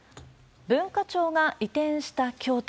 文化庁が移転した京都。